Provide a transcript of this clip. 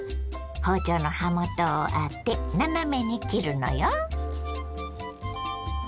包丁の刃元を当て斜めに切るのよ。